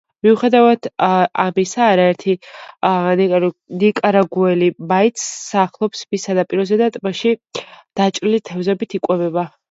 მიუხედავად ამისა, არაერთი ნიკარაგუელი მაინც სახლობს მის სანაპიროზე და ტბაში დაჭერილი თევზით იკვებება.